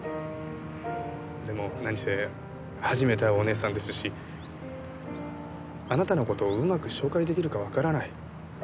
でも何せ初めて会うお姉さんですしあなたの事をうまく紹介出来るかわからない。